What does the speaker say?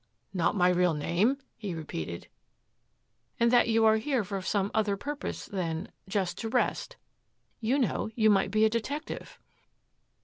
"Not my real name?" he repeated. "And that you are here for some other purpose than just to rest. You know, you might be a detective."